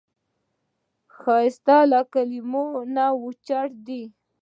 ښایست له کلمو نه اوچت دی